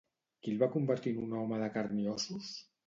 Qui el va convertir en un home de carn i ossos?